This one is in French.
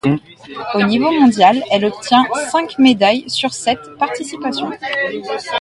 Au niveau mondial elle obtient cinq médailles sur ses sept participations.